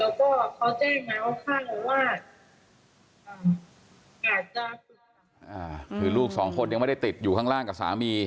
แล้วก็เขาแจ้งมาว่าข้างมากอาจจะคือลูกสองคนยังไม่ได้ติดอยู่ข้างล่างกับสามี